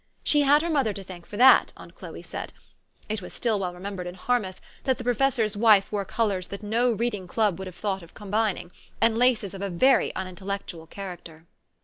She had her mother to thank for that, aunt Chloe said. It was still well remembered in Harmouth that the 90 THE STORY OF AVIS. professor's wife wore colors that no reading club would have thought of combining, and laces of a very unintellectual character.